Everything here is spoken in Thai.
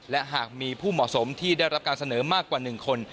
และหากมีผู้เหมาะสมที่ได้รับการเสนอมากกว่า๑คน